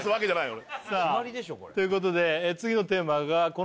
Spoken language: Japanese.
俺さあということで次のテーマが決まりでしょ